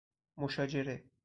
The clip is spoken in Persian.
مشاجره